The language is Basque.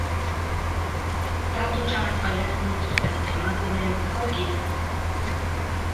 Tratu txarrak pairatzen dituzten emakumeentzako gida.